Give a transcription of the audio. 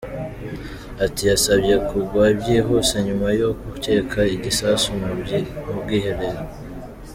Ati "Yasabye kugwa byihuse nyuma yo gukeka igisasu mu bwiherero.